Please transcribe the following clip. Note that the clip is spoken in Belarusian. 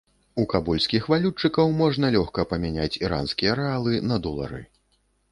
У кабульскіх валютчыкаў можна лёгка памяняць іранскія рэалы на долары.